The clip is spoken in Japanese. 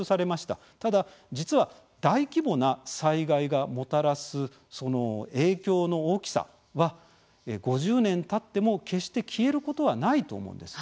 ただ、実は大規模な災害がもたらす影響の大きさは５０年たっても決して消えることはないと思うんです。